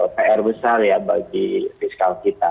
pr besar ya bagi fiskal kita